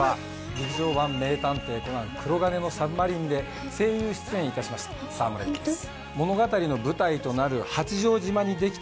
劇場版『名探偵コナン黒鉄の魚影』で声優出演いたしました沢村一樹です。